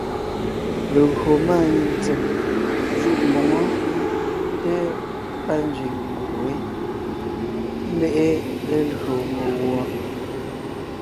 Legÿo máanyìŋ ntsèm jûʼ mboŋó té pâ nzẅìŋ nguʼ wé, ḿbe’e lelÿò meguɔ.